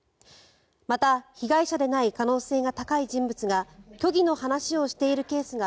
また、被害者でない可能性が高い人物が虚偽の話をしているケースが